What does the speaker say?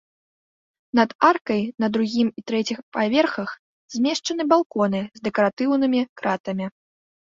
Над аркай на другім і трэцім паверхах змешчаны балконы з дэкаратыўнымі кратамі.